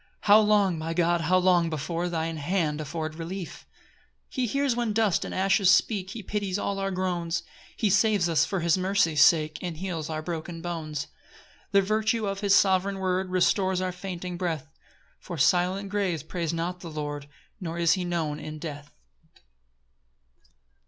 How long, my God, how long before Thine hand afford relief? 5 He hears when dust and ashes speak, He pities all our groans, He saves us for his mercy's sake And heals our broken bones. 6 The virtue of his sovereign word Restores our fainting breath; For silent graves praise not the Lord, Nor is he known in death.